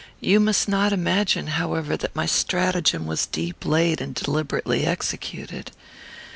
You must not imagine, however, that my stratagem was deep laid and deliberately executed.